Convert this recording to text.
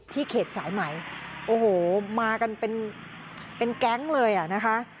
เขตสายใหม่โอ้โหมากันเป็นแก๊งเลยอ่ะนะคะ